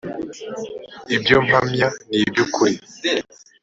ibyo mpamya a ni iby ukuri